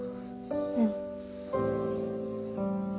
うん。